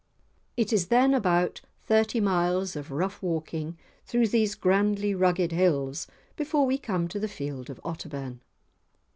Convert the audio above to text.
It is then about thirty miles of rough walking through these grandly rugged hills before we come to the field of Otterburn.